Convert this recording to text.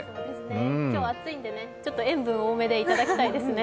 今日は暑いんで、ちょっと塩分多めでいただきたいですね。